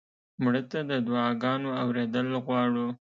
مړه ته د دعا ګانو اورېدل غواړو